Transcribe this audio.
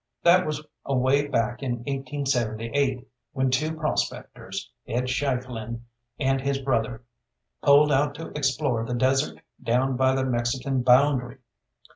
That was away back in 1878, when two prospectors, Ed Schieffelin and his brother, pulled out to explore the desert down by the Mexican boundary.